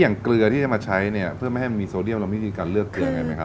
อย่างเกลือที่จะมาใช้เนี่ยเพื่อไม่ให้มีโซเดียมลงที่ดีกันเลือกเกลืออย่างไรไหมครับ